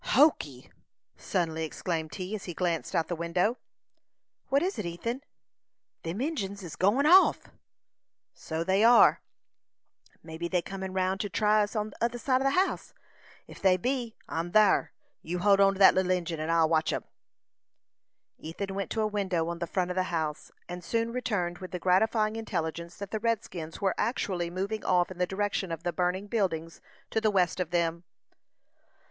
"Hokee!" suddenly exclaimed he, as he glanced out of the window. "What is it, Ethan?" "Them Injins is go'n off!" "So they are." "Mebbe they're comin' round to try us on t'other side of the house. Ef they be, I'm thar. You hold on to the little Injin, and I'll watch 'em." Ethan went to a window on the front of the house, and soon returned with the gratifying intelligence that the redskins were actually moving off in the direction of the burning buildings to the west of them.